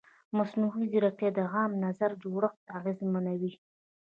مصنوعي ځیرکتیا د عامه نظر جوړښت اغېزمنوي.